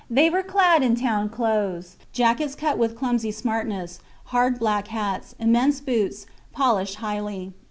They were clad in town clothes; jackets cut with clumsy smartness, hard black hats, immense boots, polished highly.